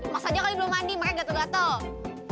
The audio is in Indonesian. mas aja kali belum mandi makanya gatel gatel